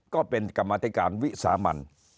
ก็เป็นกรรมธิการวิสามัน